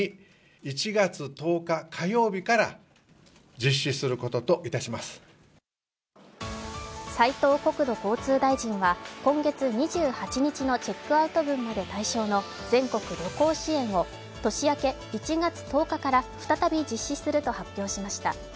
緩和の動きは他にも斉藤国土交通大臣は今月２８日のチェックアウト分まで対象の全国旅行支援を、年明け１月１０日から再び実施すると発表しました。